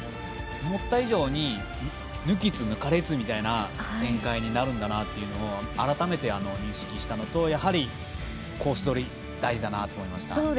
思った以上に抜きつ抜かれつという展開になるんだなというのを改めて認識したのと、やはりコース取り大事だなと思いました。